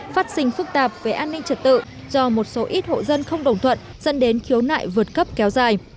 phát sinh phức tạp về an ninh trật tự do một số ít hộ dân không đồng thuận dẫn đến khiếu nại vượt cấp kéo dài